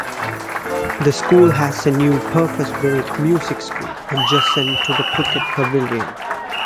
The School has a new purpose-built music school, adjacent to the Cricket Pavilion.